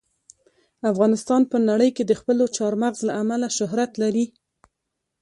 افغانستان په نړۍ کې د خپلو چار مغز له امله شهرت لري.